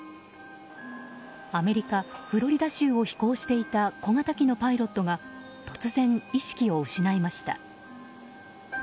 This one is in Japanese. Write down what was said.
アメリカ・フロリダ州を飛行していた小型機のパイロットが突然、意識を失いました。